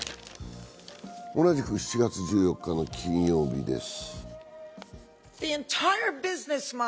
同じく７月１４日の金曜日です。